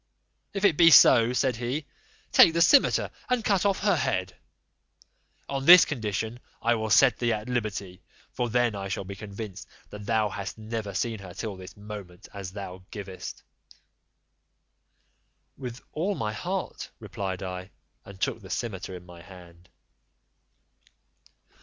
"If it be so," said he, "take the cimeter and cut off her head: on this condition I will set thee at liberty, for then I shall be convinced that thou hast never seen her till this moment, as thou gayest." "With all my heart," replied I, and took the cimeter in my hand.